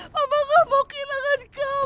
mama gak mau kehilangan kamu